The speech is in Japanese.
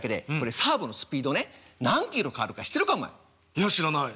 いや知らない。